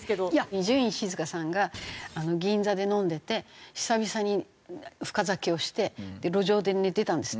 伊集院静さんが銀座で飲んでて久々に深酒をして路上で寝てたんですって。